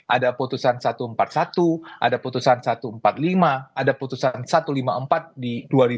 ada putusan satu ratus empat puluh satu ada putusan satu ratus empat puluh lima ada putusan satu ratus lima puluh empat di dua ribu dua puluh